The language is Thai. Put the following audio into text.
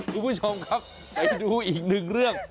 คุณผู้ชมครับไปดูอีกหนึ่งเรื่อง